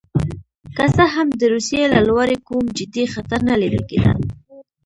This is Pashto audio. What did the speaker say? که څه هم د روسیې له لوري کوم جدي خطر نه لیدل کېده.